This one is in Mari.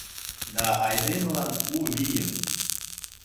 Да айдемылан у вийым